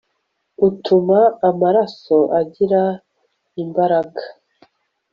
utuma amaraso agira imbaraga